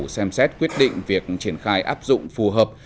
xem xét quyết định việc triển khai áp dụng phù hợp